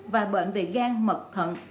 và bệnh về gan mật thận